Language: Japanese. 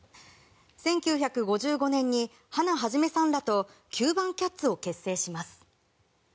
１９５５年に、ハナ肇さんらとキューバン・キャッツを結成します。